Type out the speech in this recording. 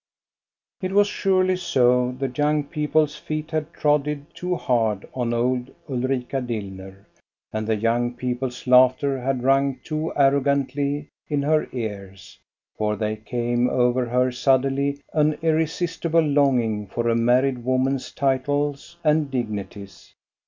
It was surely soj the young people's feet had 202 THE STORY OF GOSTA BE RUNG. trodden too hard on old Ulrika Dillner, and the young people's laughter had rung too arrogantly in her ears; for there came over her suddenly an irresistible longing for a married woman's titles and dignities.